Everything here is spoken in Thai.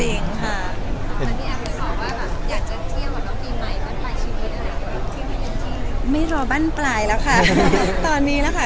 พี่แอฟไม่รอบ้านปลายแล้วค่ะตอนนี้แล้วค่ะ